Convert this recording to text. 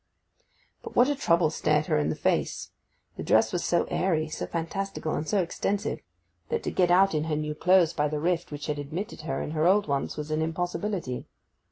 But what a trouble stared her in the face. The dress was so airy, so fantastical, and so extensive, that to get out in her new clothes by the rift which had admitted her in her old ones was an impossibility.